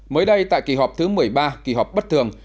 mới đây tại kỳ họp thứ một mươi ba